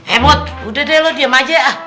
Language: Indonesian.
emot udah deh lu diem aja